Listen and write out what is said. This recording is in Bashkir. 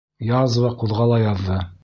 Язва ҡуҙғала яҙҙы.